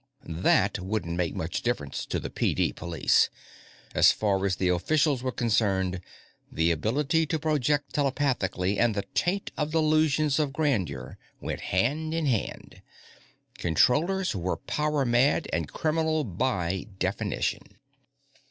That wouldn't make much difference to the PD Police; as far as the officials were concerned, the ability to project telepathically and the taint of delusions of grandeur went hand in hand. Controllers were power mad and criminal by definition.